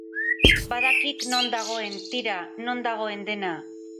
Badakik non dagoen.. tira, non dagoen dena.